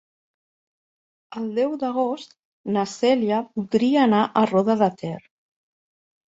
El deu d'agost na Cèlia voldria anar a Roda de Ter.